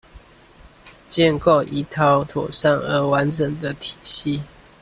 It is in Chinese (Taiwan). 建構一套妥善而完整的體系